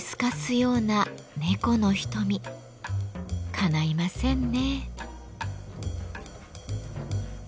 かないませんね。